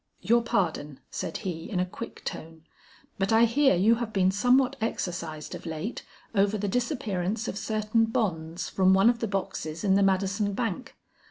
"Your pardon," said he, in a quick tone. "But I hear you have been somewhat exercised of late over the disappearance of certain bonds from one of the boxes in the Madison Bank.